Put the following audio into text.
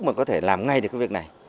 mà có thể làm ngay được cái việc này